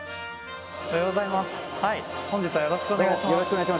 おはようございます。